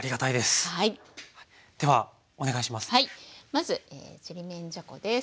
まずちりめんじゃこです。